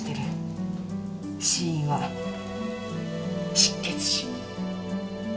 死因は失血死。